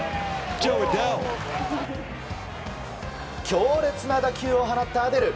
強烈な打球を放ったアデル。